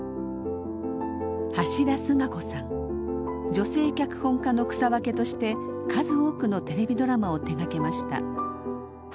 女性脚本家の草分けとして数多くのテレビドラマを手がけました。